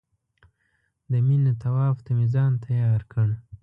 د مینې طواف ته مې ځان تیار کړ.